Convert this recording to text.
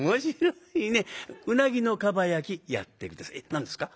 「何ですか？